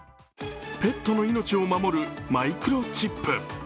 ペットの命を守るマイクロチップ。